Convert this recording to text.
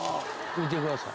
見てください。